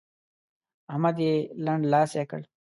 احمد يې لنډلاسی کړ.